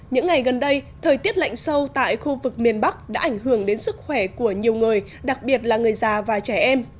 những ngày gần đây thời tiết lạnh sâu tại khu vực miền bắc đã ảnh hưởng đến sức khỏe của nhiều người đặc biệt là người già và trẻ em